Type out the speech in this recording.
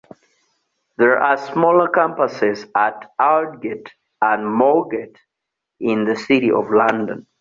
There are smaller campuses at Aldgate and Moorgate in the City of London.